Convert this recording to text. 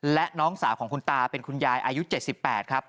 และน้องสาวของคุณตาเป็นคุณยายอายุ๗๘ครับ